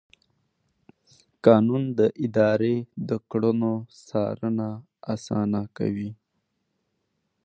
قانون د ادارې د کړنو څارنه اسانه کوي.